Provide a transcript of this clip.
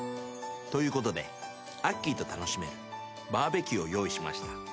ということであっきーと楽しめるバーベキューを用意しました。